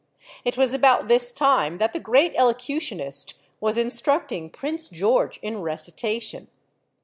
It was about this time that the great elocutionist was instructing Prince George in recitation.